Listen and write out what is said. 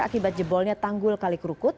akibat jebolnya tanggul kalik krukut